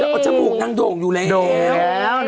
เอาชมูกนั้นโด่งอยู่แล้ว